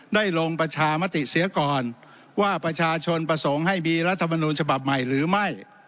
ลงประชามติเสียก่อนว่าประชาชนประสงค์ให้มีรัฐมนูลฉบับใหม่หรือไม่